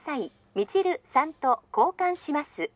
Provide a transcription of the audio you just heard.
☎未知留さんと交換します